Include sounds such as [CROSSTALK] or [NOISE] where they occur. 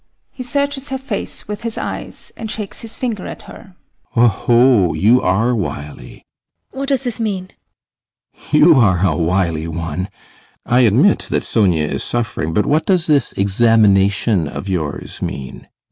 [He searches her face with his eyes, and shakes his finger at her] Oho, you are wily! HELENA. What does this mean? ASTROFF. [LAUGHS] You are a wily one! I admit that Sonia is suffering, but what does this examination of yours mean?